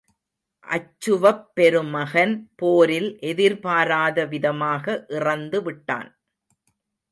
அச்சுவப் பெருமகன் போரில் எதிர்பாராத விதமாக இறந்து விட்டான்.